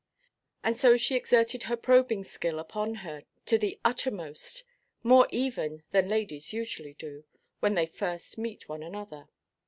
And so she exerted her probing skill upon her to the uttermost, more even than ladies usually do, when they first meet one another.